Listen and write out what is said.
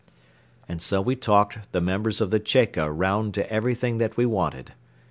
And so we talked the members of the "Cheka" round to everything that we wanted.